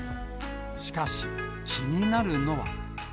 しかし、気になるのは。